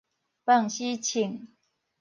飯匙銃